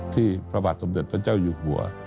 ที่พระบาทสมศิษย์พระเจ้าอยู่หัว